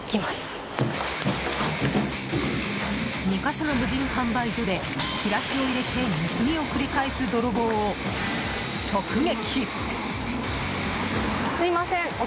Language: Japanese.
２か所の無人販売所でチラシを入れて盗みを繰り返す泥棒を直撃。